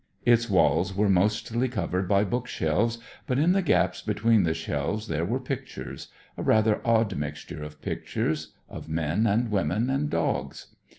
Its walls were mostly covered by book shelves, but in the gaps between the shelves there were pictures; a rather odd mixture of pictures, of men and women and dogs.